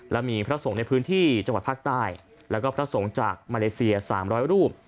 และมีพระสงฆ์ในพื้นที่จังหวัดภาคใต้แล้วก็พระสงฆ์จากมาเลเซีย๓๐๐รูป